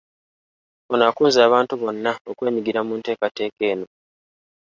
Ono akunze abantu bonna okwenyigira mu nteekateeka eno.